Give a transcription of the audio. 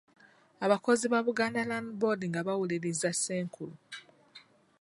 Abakozi ba Buganda Land Board nga bawuliriza Ssenkulu.